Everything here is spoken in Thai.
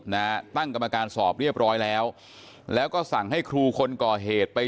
นะฮะตั้งกรรมการสอบเรียบร้อยแล้วแล้วก็สั่งให้ครูคนก่อเหตุไป